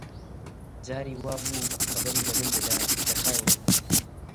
جاری وا بوو خەبەری لە من دەدا کە خاینم